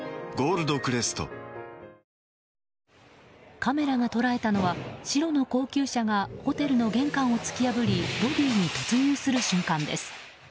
カメラが捉えたのは白の高級車がホテルの玄関を突き破りロビーに突入する瞬間です。